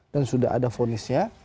dan sudah ada vonisnya